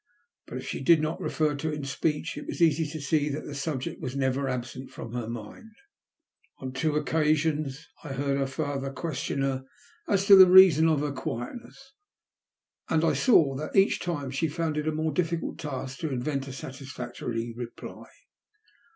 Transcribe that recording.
But if she did not refer to it in speech it was easy to see that the subject was never absent from her mind. On two occasioES I heard her father question her as to the reason of her quietness, and I saw that each time she found it a more difficult task to invent a satisfactory reply.